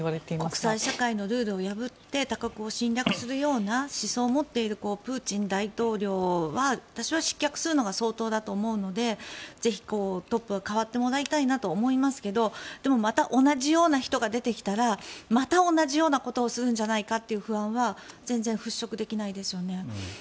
国際社会のルールを破って他国を侵略するような思想を持っているプーチン大統領は私は失脚するのが相当だと思うのでぜひトップは代わってもらいたいなと思いますけれどでも、また同じような人が出てきたらまた同じようなことをするんじゃないかという不安は全然払しょくできないですよね。